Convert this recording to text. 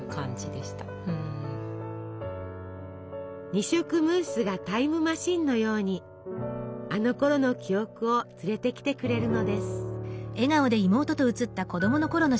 二色ムースがタイムマシンのようにあのころの記憶を連れてきてくれるのです。